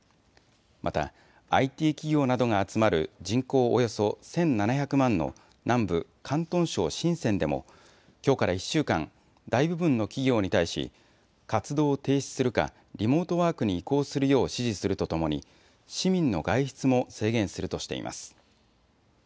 また、ＩＴ企業などが集まる人口およそ１７００万の南部、広東省深センでもきょうから１週間、大部分の企業に対し活動を停止するか、リモートワークに移行するよう指示するとともに市民の外出も制限するとしています。